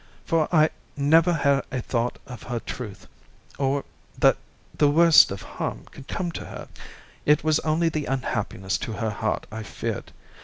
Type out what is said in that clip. For I never had a thought of her truth, or that the worst of harm could come to her—it was only the unhappiness to her heart I feared.